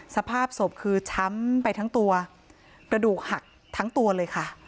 สภาพศพคือช้ำไปทั้งตัวกระดูกหักทั้งตัวเลยค่ะ